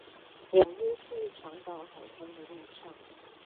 紐約去長島海灘的路上